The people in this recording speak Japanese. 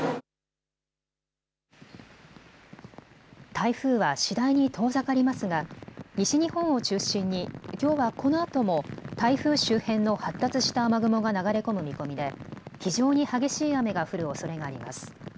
台風は次第に遠ざかりますが西日本を中心にきょうはこのあとも台風周辺の発達した雨雲が流れ込む見込みで非常に激しい雨が降るおそれがあります。